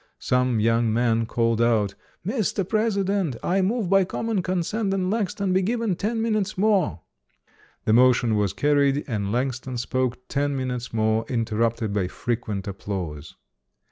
Some young man called out, "Mr. President, I move by common consent that Langston be given ten minutes more". The motion was carried and Langston spoke ten minutes more, interrupted by frequent applause.